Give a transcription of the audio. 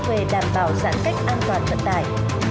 về đảm bảo giãn cách an toàn vận tải